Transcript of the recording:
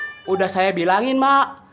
sudah saya bilangin mak